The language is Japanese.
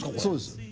そうです。